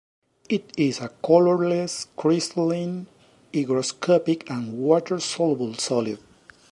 It is a colorless, crystalline, hygroscopic and water-soluble solid.